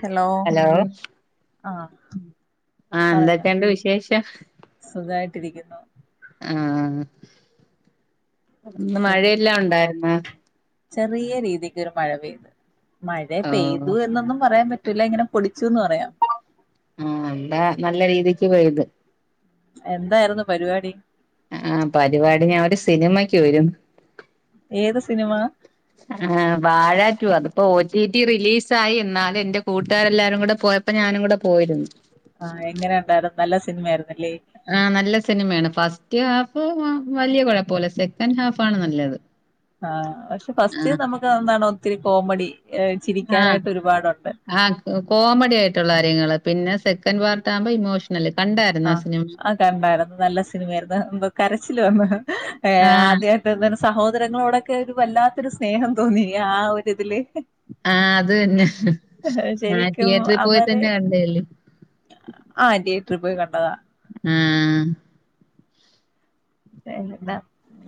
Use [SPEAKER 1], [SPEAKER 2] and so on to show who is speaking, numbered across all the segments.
[SPEAKER 1] Hello ആഹ്
[SPEAKER 2] ആഹ്
[SPEAKER 1] പറഞ്ഞോ
[SPEAKER 2] എന്തൊക്കെണ്ട് വിശേഷം ഉം
[SPEAKER 1] സുഖായിട്ടിരിക്കുന്നു
[SPEAKER 2] ആഹ് ഇന്ന് മഴയെല്ലാം ഉണ്ടായിരുന്നാ
[SPEAKER 1] ചെറിയ രീതിക്ക് ഒരു മഴ പെയ്ത് മഴ
[SPEAKER 2] ഓ
[SPEAKER 1] പെയ്തു എന്നൊന്നും പറയാൻ പറ്റി റ്റില്ല ഇങ്ങനെ പൊടിച്ചുന്ന് പറയാം
[SPEAKER 2] ആഹ് എന്താ നല്ല രീതിക്ക് പെയ്ത്
[SPEAKER 1] എന്തായിരുന്നു പരിപാടി
[SPEAKER 2] ആഹ് പരിപാടി ഞാൻ ഒരു സിനിമക്ക് പോയിരുന്നു
[SPEAKER 1] ഏത് സിനിമ
[SPEAKER 2] ആഹ് വാഴാ ടു അതിപ്പോ ഒ ടി ടി റിലീസ് ആാ. യി എന്നാലും എന്റെ കൂട്ടുകാരെല്ലാരും കൂടെ പോയ പ്പൊ ഞാനും കൂടെ പോയിരുന്നു
[SPEAKER 1] ആഹ് എങ്ങനെ ഉണ്ടായിരുന്നു നല്ല സിനിമായിരുന്നില്ലേ
[SPEAKER 2] ആഹ് നല്ല സിനിമയാണ് ഫസ്റ്റ് ഹാഫ് വലിയ കൊഴപ്പൊല്ല സെക്കൻഡ് ഹാഫ് ആണ് നല്ലത്
[SPEAKER 1] ആഹ് പക്ഷെ
[SPEAKER 2] ആ
[SPEAKER 1] ഫസ്റ്റ് നമുക്ക് ന്താണ് ഒത്തിരി കോമഡി എ് ചിരിക്കാനായിട്ട് ഒരുപാടുണ്ട്
[SPEAKER 2] ആഹ് കോമഡി ആയിട്ടുള്ള കാര്യങ്ങള് പിന്നെ സെക്കൻഡ് പാർട്ട് ആവുമ്പോ ഇമോഷ നല്ലേ കണ്ടായിരുന്നോ ആ
[SPEAKER 1] ആഹ്
[SPEAKER 2] സിനിമ
[SPEAKER 1] ആഹ് കണ്ടായിരുന്നു നല്ല സിനിമയായിരുന്നു എന്തോ കരച്ചില് വന്നു ഏ
[SPEAKER 2] ആ
[SPEAKER 1] ആദ്യ സഹോദരങ്ങളോടൊക്കെ ഒരു വല്ലാത്തൊരു സ്നേഹം തോന്നി ആ ഒരിതില്
[SPEAKER 2] ആഹ് അത് തന്നെ ആ തിയേറ്ററിൽ പോയി തന്നെ കണ്ടതല്ലേ
[SPEAKER 1] ആഹ് തിയ്യറ്ററിൽ പോയി കണ്ടതാ
[SPEAKER 2] ആഹ്
[SPEAKER 1] വേറെഎന്താ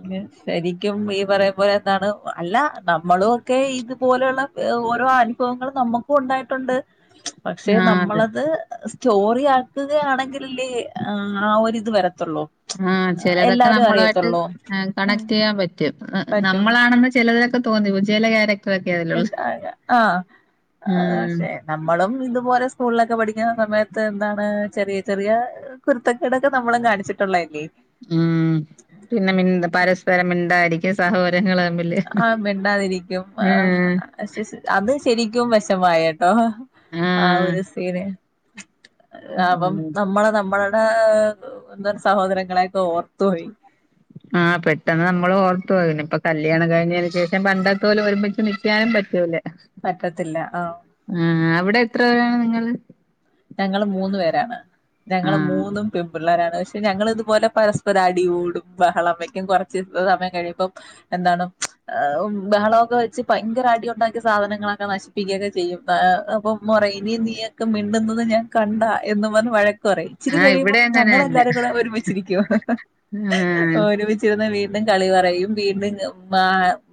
[SPEAKER 1] ന്നെ ശരിക്കും ഈ പറയും പോലെ എന്താണ് അല്ല നമ്മളും ഒക്കെ ഇതുപോലെയുള്ള ഓരോ അനുഭവങ്ങള് നമ്മുക്കും ഉണ്ടായിട്ടുണ്ട് പക്ഷെ
[SPEAKER 2] ആ അതെ.
[SPEAKER 1] നമ്മളത് എ് സ് സ്‌റ്റോറി ആക്കുകയാണെങ്കിലല്ലെ എ് ആ ഒരുരിത് വരത്തുള്ളൂ
[SPEAKER 2] ആഹ് ചെലതൊക്കെ
[SPEAKER 1] എല്ലാരും
[SPEAKER 2] നമ്മളു ആയിട്ട്
[SPEAKER 1] അറിയത്തുള്ളൂ
[SPEAKER 2] ആഹ്
[SPEAKER 1] ഉം
[SPEAKER 2] കണക്ടീയ്യാൻ പറ്റും
[SPEAKER 1] പറ്റും
[SPEAKER 2] നമ്മളാണെന്ന് ചെലവരൊക്കെ തോന്നിപ്പോ ചെല ക്യാര
[SPEAKER 1] എന്താ അ ആഹ് അഹ്
[SPEAKER 2] ഉം.
[SPEAKER 1] പക്ഷെ നമ്മളും ഇതുപോലെ സ്കൂളിലൊക്കെ പഠിക്കുന്ന സമയത്ത് എന്താണ് ചെറിയ ചെറിയ കുരുത്തക്കേടൊക്കെ നമ്മളു കാണിച്ചിട്ടുള്ളല്ലേ
[SPEAKER 2] ഉം പിന്നെ മി പരസ്പരം മിണ്ടാതിരിക്കും സഹോദരങ്ങളൾതമ്മില് ഉം
[SPEAKER 1] പക്ഷേ സ് അത് ശരിക്കും വേഷമായിട്ടോ ആ ഒരു സീന് അപ്പം
[SPEAKER 2] ഉം.
[SPEAKER 1] നമ്മള് നമ്മളുടെ എന്താണ് സഹോദരങ്ങളെയൊക്കെ ഓർത്തുപോയി
[SPEAKER 2] ആഹ് പെട്ടെന്ന് നമ്മള് ഓർത്തു പോയി പിന്നെ ഇപ്പൊ കല്യാണം കഴിഞ്ഞേന് ശേഷം പണ്ടത്തെ പോലെ ഒരുമിച്ച് നി ക്കാനും പറ്റൂല
[SPEAKER 1] പറ്റത്തില്ല ആ
[SPEAKER 2] ആഹ് അവിടെ എത്ര പേരാണ് നിങ്ങള്
[SPEAKER 1] ഞങ്ങള് മൂന്ന് പേരാണ്
[SPEAKER 2] ആ.
[SPEAKER 1] ഞങ്ങള് മൂന്നും പെൺ പിള്ളേരാണ് പ ക്ഷെ ഞങ്ങളിതുപോലെ പരസ്പരം അടി കൂടും ബഹളം വയ്ക്കും കൊറച്ച് സമയം കഴിയുമ്പം എന്താണ് മ്ച് അ ഉം ബഹളൊക്കെ വെച്ച് ഭയങ്കര അടി ഉണ്ടാക്കി സാധനങ്ങളൊക്കെ നശി പ്പിക്കൊക്കെ ചെയ്യും അപ്പൊ ഉമ്മ പറയും ഇനി നീയൊക്കെ മിണ്ടുന്നത് ഞാൻ കണ്ടാ എന്ന് പറഞ്ഞ് വഴ ക്കൊറയും ഇച്ചിരി
[SPEAKER 2] ആ
[SPEAKER 1] കഴിയുമ്പം
[SPEAKER 2] ഇവിടെ അങ്ങനെ തന്നെ.
[SPEAKER 1] ഞങ്ങളെല്ലാരും കൂടെ ഒരുമിച്ചിരിക്കും
[SPEAKER 2] ആഹ്
[SPEAKER 1] ഒരുമി ചിരുന്ന് വീണ്ടും കളി പറയും വീണ്ടും മാ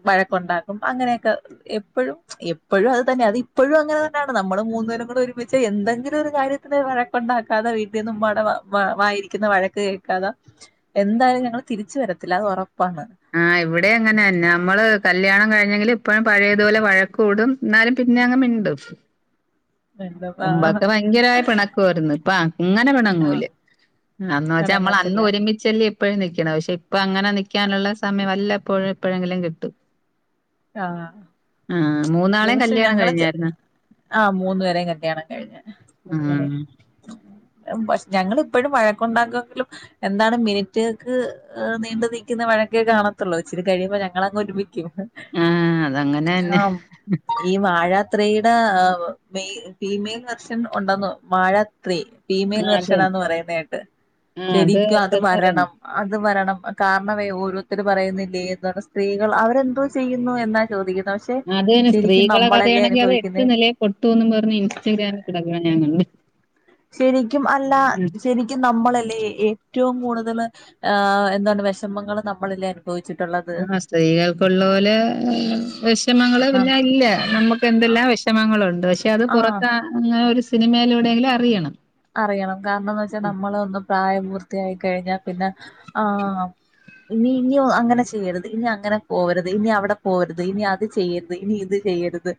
[SPEAKER 1] വഴക്കുണ്ടാക്കും അങ്ങനെയൊക്കെ എപ്പോഴും മച് എപ്പോഴും അത് തന്നെ അത് ഇപ്പോഴും അങ്ങനെ തന്നെയാണ് നമ്മള് മൂന്ന് പേരും കൂടെ ഒരുമിച്ച് എന്തെങ്കിലും ഒരു കാര്യത്തിന് വഴക്കുണ്ടാക്കാതെ വീട്ടിന്നുമ്മാടെ വ വായിരിക്കുന്ന വഴക്ക് കേക്കാതെ എന്തായാലും ഞങ്ങള് തിരിച്ച് വരത്തില്ല അത് ഒറപ്പാണ്
[SPEAKER 2] ആഹ് ഇവിടെം അങ്ങനെന്നെ നമ്മള് കല്യാണം കഴിഞ്ഞെങ്കിലും ഇപ്പഴും പഴയതുപോലെ വഴക്ക് കൂടും ഇന്നാലും പിന്നെ അങ്ങ് മിണ്ടും.
[SPEAKER 1] എന്താ ആഹ്
[SPEAKER 2] മുമ്പൊക്കെ ഭയങ്കരമായി പിണക്കമായിരുന്നു ഇപ്പ അങ്ങനെ പിണങ്ങൂല. എന്താന്ന് വെച്ചാ നമ്മള് അന്ന്
[SPEAKER 1] എണങ്ങത്തില്ല.
[SPEAKER 2] ഒരുമിച്ച്. ചലേ ഇപ്പഴും നിൽക്ക്ണെ പക്ഷെ ഇപ്പ അങ്ങനെ നിക്കാനുള്ള സമയം വല്ല എപ്പോഴും എപ്പോഴെങ്കിലും കിട്ടും.
[SPEAKER 1] ആഹ്
[SPEAKER 2] ആ മൂന്നാ
[SPEAKER 1] ഇത്
[SPEAKER 2] ളെം
[SPEAKER 1] പക്ഷെ
[SPEAKER 2] കല്യാണം
[SPEAKER 1] ഞങ്ങള് ചെ
[SPEAKER 2] കഴിഞ്ഞായിര്ന്ന്.
[SPEAKER 1] ആഹ് മൂന്ന് പേരും കല്യാണം കഴിഞ്ഞ മൂന്നരെ.
[SPEAKER 2] ആഹ്
[SPEAKER 1] ഞങ്ങൾ ഇപ്പളും വഴക്കുണ്ടാക്കുമെങ്കിലും എന്താണ് മിനിറ്റ് കൾക്ക്. ഏ നീണ്ട് നിൽക്കുന്ന വഴക്കെ കാണത്തുള്ളു ഇച്ചിരി കഴിയുമ്പോ ഞങ്ങൾ അങ് ഒരുമിക്കും.
[SPEAKER 2] ആഹ് അതങ്ങനെന്നെ
[SPEAKER 1] ആഹ ഈ വാഴാ ത്രീയുടെ മെ ഫീമെയിൽ വെർഷൻ ഉണ്ടെന്ന് വാഴ. ത്രീ ഫീമെയിൽ
[SPEAKER 2] ആഹ് അതെ
[SPEAKER 1] വെർഷനാന്ന് പറയുന്നത് കേട്ട്
[SPEAKER 2] ആഹ്
[SPEAKER 1] ശരിക്കും അത്
[SPEAKER 2] ഉണ്ടെന്ന് പറയണ്
[SPEAKER 1] വരണം. അത് വരണം കാരണവേ ഓരോരുത്തർ പറയുന്നില്ലേ എന്ന് പറ സ്ത്രീകൾ അവരെന്തോ? ചെയ്യുന്നു എന്നാ ചോദിക്കുന്നെ പക്ഷേ.
[SPEAKER 2] അതനെ സ്ത്രീകളെ കഥയാണെങ്കിൽ അത് എട്ട് നിലയിൽ പൊട്ടുന്ന് പറഞ് ഇൻസ്റ്റഗ്രാമിൽ കിടക്കണ ഞാൻ കണ്ട്.
[SPEAKER 1] ശരിക്കും അല്ല ശെരി നമ്മളല്ലേ ഏറ്റവും കൂടുതൽ എന്താണ് വിഷമങ്ങൾ നമ്മളല്ലേ. അനുഭവിച്ചിട്ടുള്ളത്.
[SPEAKER 2] ആഹ് സ്ത്രീകൾക്കുള്ള പോലെ വിഷമങ്ങൾ
[SPEAKER 1] കാരണം
[SPEAKER 2] പിന്നെ ഇല്ല നമുക്ക് എന്തെല്ലാം വിഷമങ്ങളുണ്ട്. ണ്ട് പക്ഷെ അത്
[SPEAKER 1] ആഹ്
[SPEAKER 2] പുറത്ത് അങ്ങനെ ഒരു സിനിമയിലൂടെങ്കിലും അറിയണം.
[SPEAKER 1] അറിയണം കാരണന്ന് വെച്ചാ നമ്മള് ഒന്ന് പ്രായപൂർത്തിയായി കഴിഞ്ഞാൽ പിന്നെ ആ ഇനി ഇനി അങ്ങനെ ചെയ്യരുത് ഇനി അങ്ങനെ പോവരുത് ഇനി അവിടെ പോവരുത് ഇനി അത് ചെയ്യരുത്. ഇനി ഇത് ചെയ്യരുത്.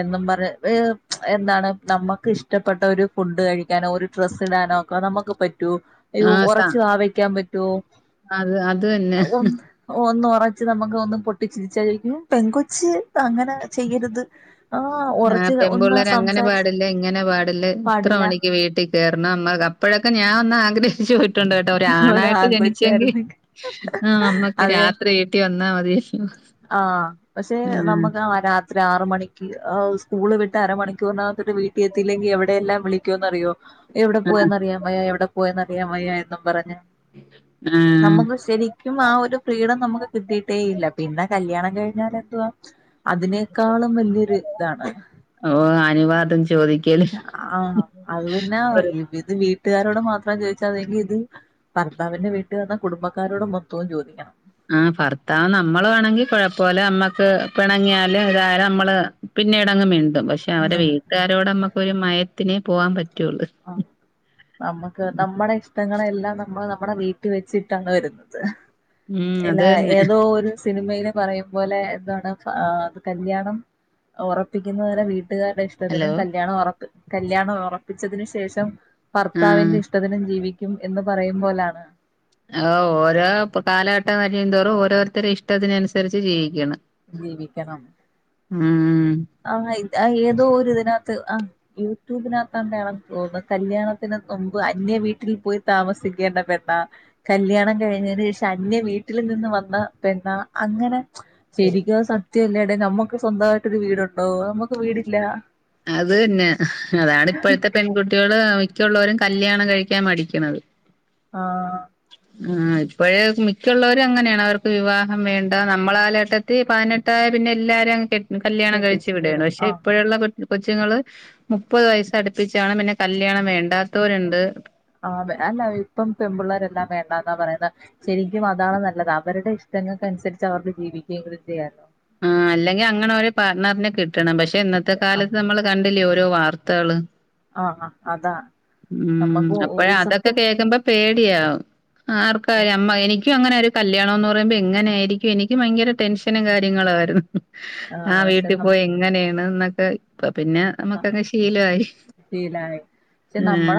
[SPEAKER 1] എന്നും പറ ഞ്ഞ് എന്താണ് നമ്മുക്ക് ഇഷ്ടപ്പെട്ട ഒരു ഫുഡ് കഴിക്ക. [unintelligible] ഒരു ഡ്രസ്സ് ഇടാനോ ഒക്കെ നമുക്ക് പറ്റോ അയ്യോ
[SPEAKER 2] ആഹ് സ
[SPEAKER 1] ഉറച്ച് വാ വെക്കാൻ പറ്റുവോ?
[SPEAKER 2] അത് അത് അത് തന്നെ.
[SPEAKER 1] ഒന്ന് ഒന്ന് ഉറച്ച് നമുക്ക് ഒന്ന് പൊട്ടിച്ചിരിച്ചാ ചോദിക്കും ഈ പെൺ കൊച്ച് അങ്ങനെ ചെയ്യരുത്. ആഹ്
[SPEAKER 2] ആഹ
[SPEAKER 1] ഉറച്ച് ഒന്ന്
[SPEAKER 2] പെമ്പിള്ളേർ അങ്ങനെ
[SPEAKER 1] സംസാരിച്ച്
[SPEAKER 2] പാടില്ല ഇങ്ങനെ പാടില്ല ഇത്ര
[SPEAKER 1] പാടില്ല
[SPEAKER 2] മണിക്ക് വീട്ടിൽ. കേറണം മ്മ അപ്പോഴൊക്കെ ഞാൻ ഒന്ന് ആഗ്രഹിച്ചു. ണ്ട് കേട്ടോ
[SPEAKER 1] ഒരു
[SPEAKER 2] ഒരാണായിട്ട് ജനിച്ചെങ്കിൽ
[SPEAKER 1] ആൺകൊച്ചായിരുന്നെങ്കിൽ
[SPEAKER 2] ആ നമ്മക്ക്
[SPEAKER 1] അതെ
[SPEAKER 2] രാത്രിയും ട്ടി വന്നാ മതി ആഹ്
[SPEAKER 1] ആഹ് പക്ഷെ നമ്മക്ക് ആഹ് രാത് ഒരാറ് മണിക്ക് ആഹ് സ്കൂള് വിട്ട് അരമണിക്കൂറിനകത്തിട്ട് വീട്ടിലെത്തില്ലെങ്കി എവിടെയെല്ലാം വിളിക്കോന്നറിയോ എവിടെ
[SPEAKER 2] ആഹ്
[SPEAKER 1] പോയെന്നറിയാൻ വയ്യാ എവിടെ പോയെന്നറിയാൻവയ്യാ എന്നും പറഞ്ഞ്
[SPEAKER 2] ആഹ്
[SPEAKER 1] നമ്മുക്ക് ശരി ക്കും ആഹ് ഒരു ഫ്രീഡം നമുക്ക് കിട്ടീട്ടേയില്ല പിന്നെ കല്യാണം കഴിഞ്ഞാലെന്തുവാ അതിനേക്കാളും വല്യൊരു ഇതാണ്
[SPEAKER 2] ഓഹ് അനുവാദം ചോദി
[SPEAKER 1] ആഹ് അത് തന്നാ
[SPEAKER 2] ഒരു
[SPEAKER 1] ഇഇത് വീട്ടുകാരോട് മാത്രം ചോദിച്ചാ മതിയെങ്കി ഇത് ഭർത്താവിന്റെ വീട്ട്കാർടെ കുടുംബക്കാരോട് മൊത്തോം ചോദിക്കണം
[SPEAKER 2] ആഹ് ഭർത്താവ് നമ്മളാണെങ്കി കൊഴപ്പവില്ല നമ്മക്ക് പെണങ്ങിയാലും ഏതായാലും നമ്മള് പിന്നീടങ്ങ് മിണ്ടും പക്ഷെ അവരെ വീട്ടുകാരോടമ്മക്കൊര് മയത്തിനേ പോവാൻ പറ്റ്വൊള്ളു
[SPEAKER 1] ആഹ് നമുക്ക് നമ്മുടെ ഇഷ് ങ്ങളെല്ലാം നമ്മള് നമ്മടെ വീട്ടി വെച്ചിട്ടാണ് വെര്ന്നത്
[SPEAKER 2] ഉം അത്
[SPEAKER 1] എല്ലാ
[SPEAKER 2] തന്നെ
[SPEAKER 1] ഏതോ ഒരു സിനിമയ്ലെ പറയും പോലെ എന്താണ് ആഹ് കല്യാണം ഒറപ്പിക്കുന്നവരെ വീ ട്ട്കാര്ടെ ഇഷ്ടത്തിനും
[SPEAKER 2] ഹലോ
[SPEAKER 1] കല്യാണം ഒറപ്പി കല്യാണം ഒറപ്പിച്ചതിന് ശേഷം
[SPEAKER 2] ആഹ്
[SPEAKER 1] ഭർത്താവിന്റിഷ്ടത്തിനും ജീവിക്കും എന്ന് പറയുമ്പോലാണ്
[SPEAKER 2] ആഹ് ഓരോപ്പം കാലഘട്ടം വരുന്തോറും ഓരോരുത്തരെ ഇഷ്ടത്തിനുസരിച്ച് ജീവിക്കണ്
[SPEAKER 1] ജീവിക്കണം
[SPEAKER 2] ആഹ്
[SPEAKER 1] ആഹ് ഇതാ ഏതോ ഒര്തിനാത്ത് അഹ് യൂട്യൂബിനാത്തക്കെയാണന്ന് തോന്നുന്നു കല്യാണത്തിന് നുമ്പ് അന്യ വീട്ടിൽ പോയി താമസിക്കേണ്ട പെണ്ണാ കല്യാണം കഴിഞ്ഞേന് ശേഷം അന്യ വീട്ടില് നിന്ന് വന്ന പെണ്ണാ അങ്ങനെ ശെരിക്കും അത് സത്യവല്ലേടെ നമ്മുക്ക് സ്വന്തമായിട്ടൊരു വീടൊ ണ്ടോ നമ്മക്ക് വീടില്ലാ
[SPEAKER 2] അതന്നെ അതാണ് ഇപ്പോഴത്തെ പെൺകുട്ടികള് മിക്കുള്ളവരും കല്ല്യാണം കഴിക്കാൻ മടിക്കണത്
[SPEAKER 1] ആഹ്
[SPEAKER 2] ആഹ് ഇപ്പോഴേ മിക്കൊള്ളവരും അങ്ങനെയാണ് അവർക്ക് വിവാഹം വേണ്ട നമ്മള കാലഘട്ട ത്തീ പതിനെട്ടായ പിന്നെ എല്ലാരെ അങ്ങ് കെട്ട് കല്യാണം കഴിച്ച്
[SPEAKER 1] കെട്ടിച്ച്
[SPEAKER 2] വിട്വാണ്
[SPEAKER 1] വിടും
[SPEAKER 2] പക്ഷെ
[SPEAKER 1] ആഹ്
[SPEAKER 2] ഇപ്പോഴൊള്ള പെൺ കൊച്ചുങ്ങള് മുപ്പത് വയസ്സടുപ്പിച്ചാണ് പിന്നെ കല്യാണം വേണ്ടാത്തവര്ണ്ട്
[SPEAKER 1] ആതേ അല്ല ഇപ്പം പെമ്പിള്ളാരെല്ലാം വേണ്ടന്നാ പറയ്ന്നെ ശെരിക്കും അതാണ് നല്ലത് അവര്ടെ ഇഷ്ടങ്ങക്കനുസരിച്ച് അവർക്ക് ജീവിക്കയെങ്കിലും ചെയ്യാലോ
[SPEAKER 2] ആഹ് അല്ലെങ്കി അങ്ങനെ ഒരു പാർട്ണറിനെ കിട്ടണം പക്ഷെ ഇന്നത്തെ
[SPEAKER 1] ആഹ്
[SPEAKER 2] കാലത്ത് നമ്മള് കണ്ടില്ലേ ഓരോ വാർത്തകള്
[SPEAKER 1] ആഹ് അതാ
[SPEAKER 2] ഉം
[SPEAKER 1] നമ്മുക്ക്
[SPEAKER 2] അപ്പഴാ
[SPEAKER 1] ഈ
[SPEAKER 2] അതക്കെ
[SPEAKER 1] സത്യം
[SPEAKER 2] കേക്കുമ്പം പേടിയാവും ആർക്കാ ഞമ്മ എനിക്കും അങ്ങനൊരു കല്യാണവെന്ന് പറയുമ്പോ എങ്ങനാരിക്കും എനിക്ക് ഭയങ്കര ടെൻഷനും കാര്യങ്ങളും ആരുന്നു ആഹ്
[SPEAKER 1] പക്ഷെ
[SPEAKER 2] വീട്ടി
[SPEAKER 1] ന
[SPEAKER 2] പോയി എങ്ങനെയാണ് ന്ന്ട്ട് ഇപ്പ പിന്നെ നമ്മക്കക്കെ ശീലവായി ആഹ്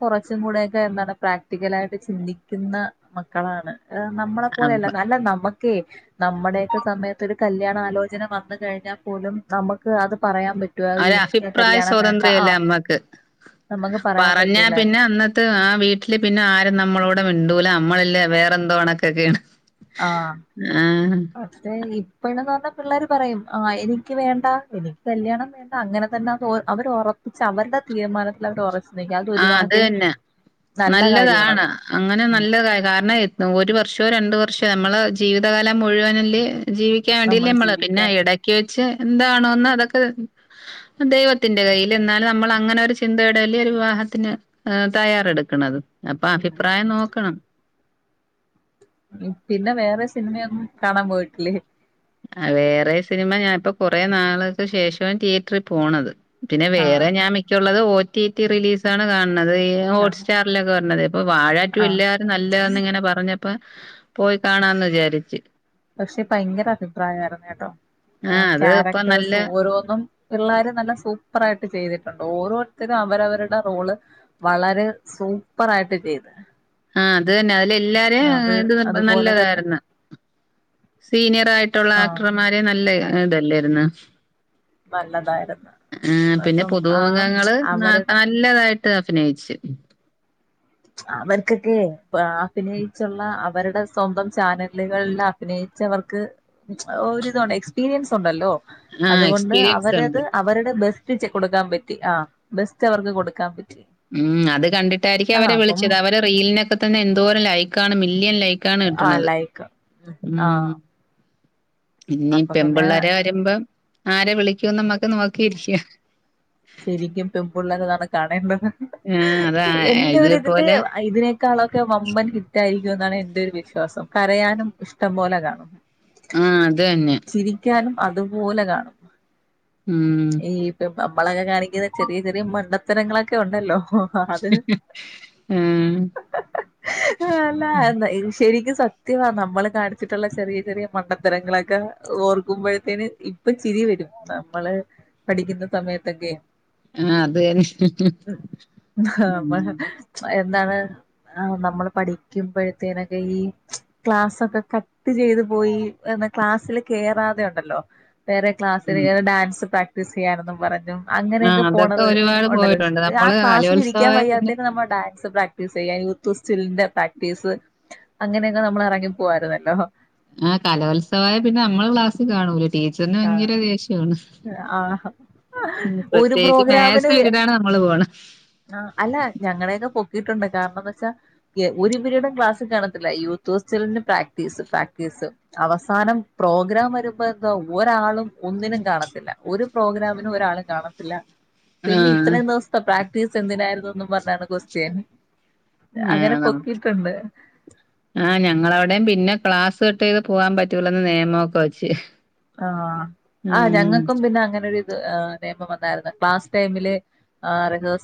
[SPEAKER 1] കൊറച്ചും കൂടെക്കെ എന്താണ് പ്രാക്ടിക്കലായിട്ട് ചിന്തിക്കുന്ന മക്കളാണ് ഏഹ് നമ്മള
[SPEAKER 2] അപ്പ
[SPEAKER 1] പോലെല്ല നല്ല നമ്മക്കേ നമ്മടെയക്കെ സമയത്ത് ഒരു കല്യാണാലോചന വന്ന് കഴിഞ്ഞാ പോലും നമുക്ക് അത് പറയാൻ പറ്റ്
[SPEAKER 2] ആഒര് അഭിപ്രായ സ്വാതന്ത്ര്യല്ല നമ്മക്ക്
[SPEAKER 1] നമുക്ക് പറയാൻ
[SPEAKER 2] പറഞ്ഞാ പിന്നെ
[SPEAKER 1] പറ്റൂലായിരുന്നു
[SPEAKER 2] അന്ന് ത്ത് ആ വീട്ടില് പിന്നെ ആരും നമ്മളോട്‌ മിണ്ടൂല നമ്മളല്ലേ വേറെന്തോ കണക്കൊക്കെയാണ്
[SPEAKER 1] ആഹ് തേ ഇപ്പഴന്ന് പറഞ്ഞാ പിള്ളേര് പറയും ആഹ് എനിക്ക് വേണ്ട എനിക്ക് കല്യാണം വേ എന്താ അങ്ങനെ തന്നെ അത് അവർ ഉറപ്പിച്ച് അവരുടെ തീരുമാനത്തിൽ അവർ ഒറ
[SPEAKER 2] ആഹ് അത് തന്നെ
[SPEAKER 1] നല്ല
[SPEAKER 2] നല്ലതാണ്
[SPEAKER 1] കാര്യമാണത്
[SPEAKER 2] അങ്ങനെ
[SPEAKER 1] ഉം
[SPEAKER 2] നല്ലതായി കാരണം ഒരു വർഷോ രണ്ട് വർഷോ നമ്മളെ ജീവിതകാലം മുഴുവനെല്ലേ ജീവി ക്കാൻ
[SPEAKER 1] നമ്മൾ
[SPEAKER 2] വേണ്ടിയല്ലേ നമ്മള് പിന്നെ
[SPEAKER 1] ജീവിക്കാൻ
[SPEAKER 2] ഇടക്ക് വെച്ച് എന്താണോന്ന് അതൊക്കെ ദൈവത്തിന്റെ കയ്യിൽ എന്നാലും നമ്മൾ അങ്ങനെ ഒരു ചിന്തയിടല്ലേ ഒരു വിവാഹ ത്തിന് ഏഹ് തയ്യാറെടുക്കണത് അപ്പൊ
[SPEAKER 1] ഉം
[SPEAKER 2] അഭിപ്രായം നോക്കണം
[SPEAKER 1] പിന്നെ വേറെ സിനിമയൊന്നും കാണാൻ പോയിട്ടില്ലേ
[SPEAKER 2] വേറെ സിനിമ ഞാൻപ്പോ കൊറെേ നാൾക്ക് ശേഷം തിയേറ്ററിൽ പോണത് പിന്നെ വേറെ
[SPEAKER 1] ആഹ്
[SPEAKER 2] ഞാൻ മിക്കുള്ളത് ഓ ടി ടി റിലീസ് ആണ് കാണുന്നത് ഈ
[SPEAKER 1] കാണും
[SPEAKER 2] ഹോട്ട്സ്റ്റാർ ലൊക്കെ വെർണെത് ഇപ്പൊ വാഴാ റ്റു
[SPEAKER 1] ആഹ്
[SPEAKER 2] ഇല്ലാരും നല്ലന്ന് ഇങ്ങനെ പറഞ്ഞ പ്പ പോയി കാണാന്ന് വിചാരിച്ച്
[SPEAKER 1] പക്ഷേ ഭയങ്കര അഭിപ്രായമായിരുന്നു കേട്ടോ ആഹ്
[SPEAKER 2] അത് ഇപ്പൊ നല്ല
[SPEAKER 1] ക്യാരക്ടേഴസ് ഓരോന്നും പിള്ളാര് നല്ല സൂപ്പർ ആയിട്ട് ചെയ്തിട്ടുണ്ട് ഓരോരുത്തരും അവരവരുടെ റോള് വളരെ സൂപ്പറായിട്ട് ചെയ്ത്
[SPEAKER 2] ആഹ് അത് തന്നെ അതില എല്ലാരേം
[SPEAKER 1] അത്
[SPEAKER 2] ഇത്
[SPEAKER 1] അതുപോലെ തന്നെ
[SPEAKER 2] നല്ലതായിരുന്നു സീനിയർ ആയി ട്ടുള്ള
[SPEAKER 1] ആഹ്
[SPEAKER 2] ആക്ടർമാര് നല്ല ഏഹ് ഇതല്ലേയിരുന്നോ
[SPEAKER 1] നല്ലതായിരുന്നു
[SPEAKER 2] ഏഹ് പിന്നെ
[SPEAKER 1] അപ്പം ആ
[SPEAKER 2] പുതുമുഖങ്ങള്
[SPEAKER 1] അവരുടെ
[SPEAKER 2] ന ല്ലതായിട്ട് അഭിനയിച്ച്
[SPEAKER 1] അവർക്കൊക്കെ പ്പ ആഹ് അഭിനയിച്ചുള്ള അവരുടെ സ്വന്തം ചാനലുകളില അഭിനയിച്ച് അവർക്ക് ഒരിതുണ്ട് എക്സ്പീരിയൻസ് ഉണ്ടല്ലോ
[SPEAKER 2] ആഹ്
[SPEAKER 1] അതുകൊണ്ട്
[SPEAKER 2] എക്സ്പീരിയൻസ് ഉണ്ട്.
[SPEAKER 1] അവരത് അവരുടെ ബെസ്റ്റ് ച്ച് കൊടുക്കാൻ പറ്റി ആഹ് ബെസ്റ്റ് അവർക്ക് കൊടുക്കാൻ പറ്റി
[SPEAKER 2] ഉം അത് കണ്ടിട്ടായിരിക്കും
[SPEAKER 1] ആ
[SPEAKER 2] അവരെ
[SPEAKER 1] അപ്പം
[SPEAKER 2] വിളിച്ചത് അവര് റീലിനൊക്കെ തന്നെ എന്തോരം ലൈക്കാണ് മില്യൺ ലൈ ക്കാണ്
[SPEAKER 1] ആ
[SPEAKER 2] കിട്ട്ണത്
[SPEAKER 1] ലൈക്ക് ആ
[SPEAKER 2] ഉം ഇനി
[SPEAKER 1] അപ്പൊ പിന്നെ
[SPEAKER 2] പെൺപിള്ളേരെ വരുമ്പം ആരെ വിളിക്കൂന്ന് നമ്മുക്ക് നോക്കിയിരിക്കാ
[SPEAKER 1] ശരിക്കും പെമ്പുള്ളരെതാണ് കാണേണ്ടത്
[SPEAKER 2] ആഹ് അതാ
[SPEAKER 1] എന്റെ ഒരു ഇതില്
[SPEAKER 2] ഇതേപോലെ
[SPEAKER 1] ആഹ് ഇതിനെ ക്കാളൊക്കെ വമ്പൻ ഹിറ്റ് ആയിരിക്കും എന്നാണ് എന്റെ ഒരു വിശ്വാസം കരയാനും ഇഷ്ടം പോലെ കാണും
[SPEAKER 2] ആഹ് അതന്നെ
[SPEAKER 1] ചിരിക്കാനും അതുപോലെ കാണും
[SPEAKER 2] ഉം
[SPEAKER 1] ഈഹ് പ്പം നമ്മളൊക്കെ കാണിക്കുന്ന ചെറിയ ചെറിയ മണ്ടത്തരങ്ങളൊക്കെ ഉണ്ടല്ലോ ആഹ് അത്
[SPEAKER 2] ആഹ്
[SPEAKER 1] ഈ അല്ല ശരിക്കും സത് ത്യവാ നമ്മള് കാണിച്ചിട്ടുള്ള ചെറിയ ചെറിയ മണ്ടത്തരങ്ങളൊക്കെ ഓർക്കുമ്പഴത്തേന് ഇപ്പ ചിരി വരും നമ്മള് പഠിക്കുന്ന സമയത്തൊക്കെ
[SPEAKER 2] ആഹ് അത് തന്നെ ഉം
[SPEAKER 1] ആഹ് എന്താണ് ആഹ് നമ്മള് പഠിക്കുമ്പഴത്തേനൊക്കെ ഈഹ് ക്ലാസൊക്കെ കട്ട് ചെയ്ത് പോയി എന്ന ക്ലാസില് കേറാതെയുണ്ടല്ലോ വേറെ ക്ലാസ്സിൽ
[SPEAKER 2] ഉം.
[SPEAKER 1] കേറി ഡാൻസ് പ്രാക്ടീസ് ചെയ്യാനെന്നും പറഞ്ഞു
[SPEAKER 2] ആ
[SPEAKER 1] അങ്ങനെയൊക്കെ
[SPEAKER 2] അതൊക്കെ
[SPEAKER 1] പോണത്
[SPEAKER 2] ഒരുപാട്
[SPEAKER 1] ഉണ്ടല്ലോ
[SPEAKER 2] പോയിട്ടുണ്ട്.
[SPEAKER 1] ആ
[SPEAKER 2] നമ്മള്
[SPEAKER 1] ക്ലാസ്സിൽ ഇരിക്കാൻ
[SPEAKER 2] കലോത്സവായ പിന്നെ
[SPEAKER 1] വയ്യാത്തേന് നമ്മ ഡാൻസ് പ്രാക്ടീ സ് ചെയ്യാ യൂത്ത് വെസ്റ്റ് വെൽന്റെ പ്രാക്ടീസ് അങ്ങനെയൊക്കെ നമ്മൾ ഇറങ്ങി പോവായിരുന്നല്ലോ
[SPEAKER 2] ആഹ് കലോത്സവമായ പിന്നെ നമ്മള് ക്ലാസ്സിൽ കാണൂല ടീച്ചറിന് ഭയങ്കര ദേഷ്യാണ്
[SPEAKER 1] ആഹ് ആഹ്
[SPEAKER 2] ഉം
[SPEAKER 1] ഒരു
[SPEAKER 2] പ്രത്യേകിച്ച് മാത്‍സ്
[SPEAKER 1] പ്രോഗ്രാമിന്
[SPEAKER 2] പിരിടാണ് നമ്മള് പോണെ
[SPEAKER 1] ആഹ് അല്ല ഞങ്ങളെയൊക്കെ പൊക്കിയിട്ടുണ്ട് കാരണംന്ന് വെച്ചാ ഒരു പിരീഡും ക്ലാസ് കാണത്തില്ല യൂത്ത് വെസ്റ്റ്‌ വെൽന്റെ പ്രാക്ടീസ് പ്രാക്ടീസ് അവസാനം പ്രോഗ്രാം വരുമ്പോ എന്താ ഒരാളും ഒന്നിനും കാണത്തി ല്ല ഒരു പ്രോഗ്രാമിനു ഒരാളേം കാണത്തില്ല പിന്നെ
[SPEAKER 2] ആഹ്
[SPEAKER 1] ഇത്രയും ദെവസത്തെ പ്രക് ടിസ് എന്തിനായിരുനുന്നും പറഞ്ഞാണ് കൊസ്തിൻ
[SPEAKER 2] ഏഹ് ആഹ് ഞങ്ങളവിടേം പിന്നെ ക്ലാസ് കട്ടേയ്ത് പോവാൻ പറ്റൂലന്ന് നിയമൊക്കെ വെച്ച്.
[SPEAKER 1] ആഹ് ആഹ്
[SPEAKER 2] ഉം
[SPEAKER 1] ഞങ്ങക്കും പിന്നെ അങ്ങനൊരു നെയമം വന്നാർന്ന് ക്ലാസ് ടൈമിൽ ആ റിഹേഴ്